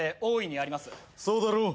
そうだろう。